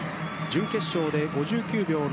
準決勝で５９秒６３。